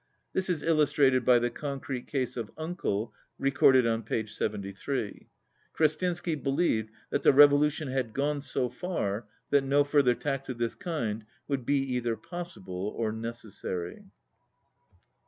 (This is illustrated by the concrete case of "Uncle" re corded on p. 73.) Krestinsky believed that the revolution had gone so far that no further tax of this kind would be either possible or necessary.